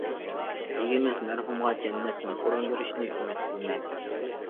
ئىگىمىز مەرھۇمغا جەننەتتىن ئورۇن بېرىشىنى ئۈمىد قىلىمەن.